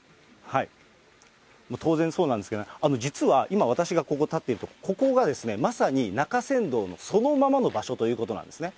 当然そうなんですけど、実は今、私がここに立っているところ、ここが、まさに中山道のそのままの場所ということなんですね。